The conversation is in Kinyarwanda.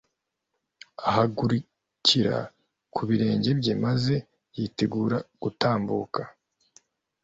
Ahagurukira ku birenge bye maze yitegura gutambuka.